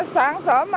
tôi sáng sớm